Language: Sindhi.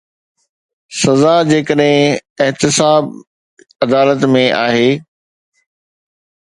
سزا جيڪڏهن احتساب عدالت ۾ آهي.